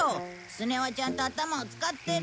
スネ夫はちゃんと頭を使ってる。